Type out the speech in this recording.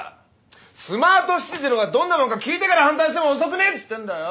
スマートシティってのがどんなもんか聞いてから反対しても遅くねえっつってんだよ！